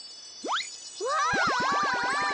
うわ！